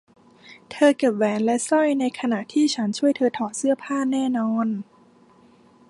เธอเก็บแหวนและสร้อยไปในขณะที่ฉันช่วยเธอถอดเสื้อผ้าแน่นอน